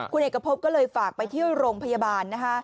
คุณเอกพบก็เลยฝากไปที่โรงพยาบาลนะคะ